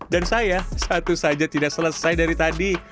dan saya satu saja tidak selesai dari tadi